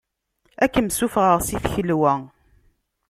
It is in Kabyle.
Ad kem-ssufɣeɣ si tkelwa.